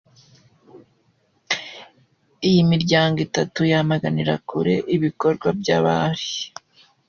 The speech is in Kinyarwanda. Iyo miryango itatu yamaganira kure ibikorwa bya Barril.